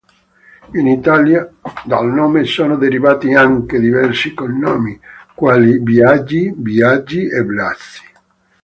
In Italia, dal nome sono derivati anche diversi cognomi, quali "Biagi", "Biaggi e "Blasi".